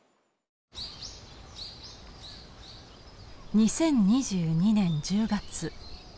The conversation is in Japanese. ２０２２年１０月。